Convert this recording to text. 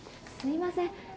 すいません。